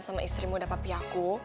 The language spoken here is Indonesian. sama istri muda papi aku